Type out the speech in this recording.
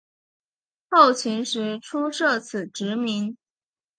后秦时初设此职名。